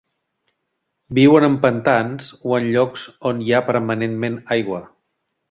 Viuen en pantans o en llocs on hi ha permanentment aigua.